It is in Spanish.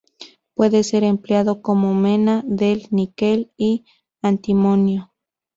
Puede ser empleado como mena del níquel y antimonio.